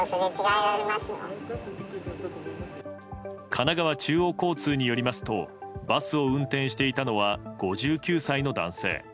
神奈川中央交通によりますとバスを運転していたのは５９歳の男性。